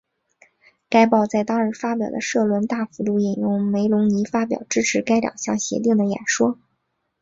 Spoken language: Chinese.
该报在当日发表的社论大幅度引用梅隆尼发表支持该两项协定的演说。